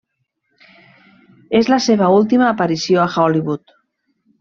És la seva última aparició a Hollywood.